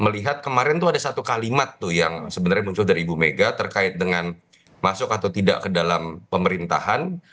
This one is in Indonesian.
melihat kemarin tuh ada satu kalimat tuh yang sebenarnya muncul dari ibu mega terkait dengan masuk atau tidak ke dalam pemerintahan